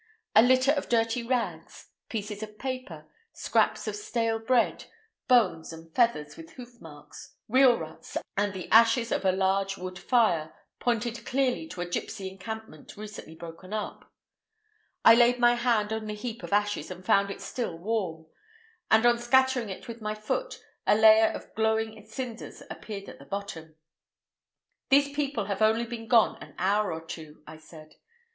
A litter of dirty rags, pieces of paper, scraps of stale bread, bones and feathers, with hoof marks, wheel ruts, and the ashes of a large wood fire, pointed clearly to a gipsy encampment recently broken up. I laid my hand on the heap of ashes, and found it still warm, and on scattering it with my foot a layer of glowing cinders appeared at the bottom. "These people have only been gone an hour or two," I said.